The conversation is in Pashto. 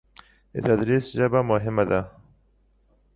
د تدریس ژبه مهمه ده.